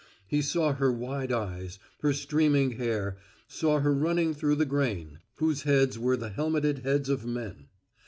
He saw her wide eyes, her streaming hair saw her running through the grain, whose heads were the helmeted heads of men.